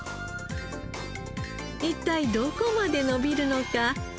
一体どこまで伸びるのか？